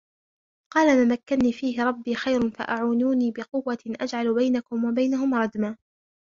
قَالَ مَا مَكَّنِّي فِيهِ رَبِّي خَيْرٌ فَأَعِينُونِي بِقُوَّةٍ أَجْعَلْ بَيْنَكُمْ وَبَيْنَهُمْ رَدْمًا